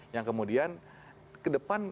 yang kemudian ke depan